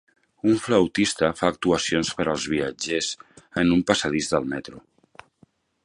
Un flautista fa actuacions per als viatgers en una passadís del metro.